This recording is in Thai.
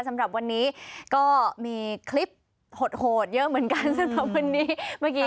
สำหรับวันนี้ก็มีคลิปโหดเยอะเหมือนกันสำหรับวันนี้เมื่อกี้